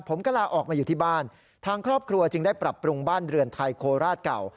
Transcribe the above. ผมก็ลาออกมาอยู่ที่บ้านทางครอบครัวจึงได้ปรับปรุงบ้านเรือนไทยโคราชเก่า